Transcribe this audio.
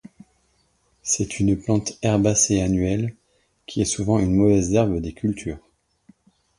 C'est une plante herbacée annuelle qui est souvent une mauvaise herbe des cultures.